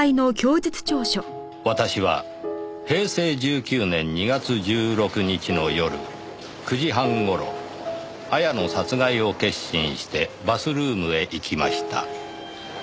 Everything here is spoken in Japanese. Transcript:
「私は平成１９年２月１６日の夜９時半頃亞矢の殺害を決心してバスルームへ行きました」